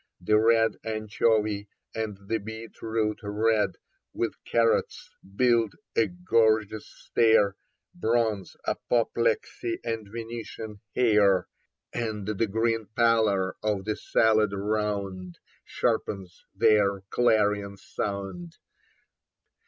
The red anchovy and the beetroot red, With carrots, build a gorgeous stair — Bronze, apoplexy and Venetian hair — And the green pallor of the salad round Sharpens their clarion sound.